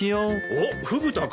おっフグ田君。